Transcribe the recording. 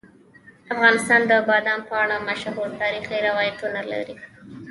افغانستان د بادام په اړه مشهور تاریخی روایتونه لري.